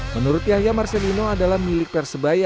menurut yahya marcelino adalah milik persebaya